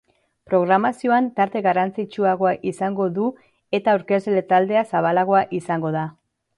Programazioan tarte garrantzitsuagoa izango du eta aurkezle taldea zabalagoa izango da.